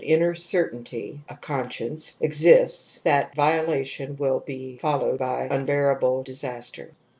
inner certainty (a conscience) exists that viola tion will be followed by unbearable disaster.